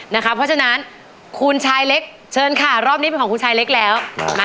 เพราะฉะนั้นคุณชายเล็กเชิญค่ะรอบนี้เป็นของคุณชายเล็กแล้วนะ